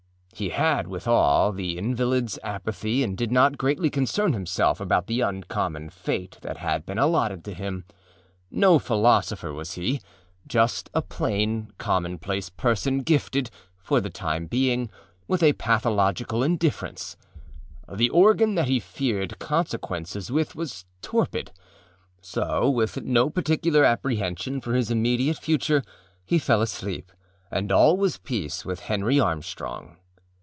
He had, withal, the invalidâs apathy and did not greatly concern himself about the uncommon fate that had been allotted to him. No philosopher was heâjust a plain, commonplace person gifted, for the time being, with a pathological indifference: the organ that he feared consequences with was torpid. So, with no particular apprehension for his immediate future, he fell asleep and all was peace with Henry Armstrong.